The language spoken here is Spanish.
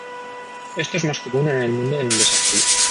Esto es más común en el mundo en desarrollo.